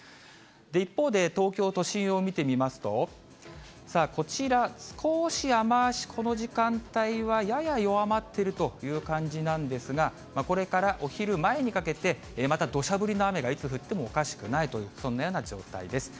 一方で、東京都心を見てみますと、こちら、少し雨足、この時間帯はやや弱まっているという感じなんですが、これからお昼前にかけて、また土砂降りの雨がいつ降ってもおかしくないという、そんなような状態です。